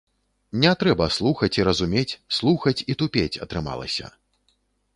Не трэба слухаць і разумець, слухаць і тупець атрымалася.